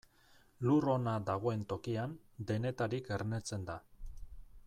Lur ona dagoen tokian, denetarik ernetzen da.